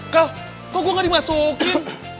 kal kok gue nggak dimasukin